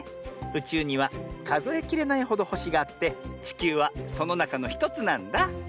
うちゅうにはかぞえきれないほどほしがあってちきゅうはそのなかのひとつなんだ。